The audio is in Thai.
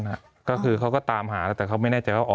มีความรู้สึกว่ามีความรู้สึกว่ามีความรู้สึกว่า